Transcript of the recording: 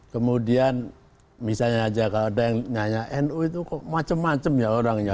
kemudian misalnya aja kalau ada yang nya nu itu kok macam macam ya orangnya